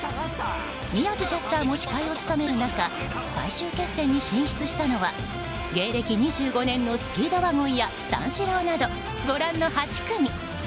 宮司キャスターも司会を務める中最終決戦に進出したのは芸歴２５年のスピードワゴンや三四郎など、ご覧の８組。